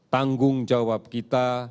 tanggung jawab kita